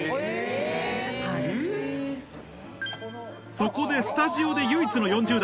そこでスタジオで唯一の４０代